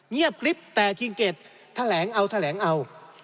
เงียบกริ๊บแต่คิงเกดแถลงเอาแถลงเอา